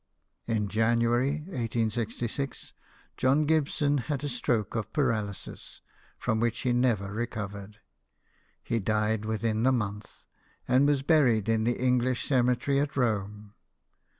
In January, 1866, John Gibson had a stroke of paralysis, from which he never recovered. He died within the month, and was buried in the English cemetery at Rome.